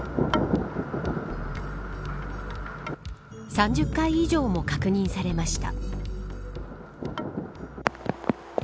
３０回以上も確認されました。